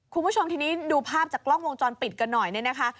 คุณผู้ชมทีนี้ดูภาพจากกล้องวงจรปิดกันหน่อยเนี่ยนะคะ